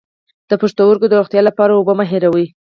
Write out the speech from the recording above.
د پښتورګو د روغتیا لپاره اوبه مه هیروئ